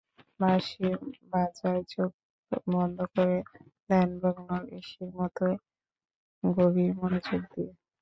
বাঁশি বাজায় চোখ বন্ধ করে, ধ্যানমগ্ন ঋষির মতো গভীর মনোযোগ দিয়ে।